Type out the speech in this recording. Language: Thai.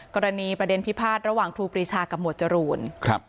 กรณีประเด็นพิพาทระหว่างครูปรีชากับหมวดจรูน